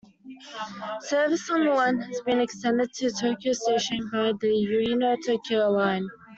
Service on the line has been extended to Tokyo Station via the Ueno-Tokyo Line.